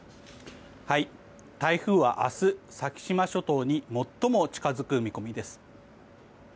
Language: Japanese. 台風は明日、先島諸島に最も近付く見込みです。